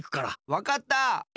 わかった！